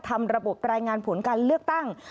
ทำระบบรายงานผลการเลือกตั้ง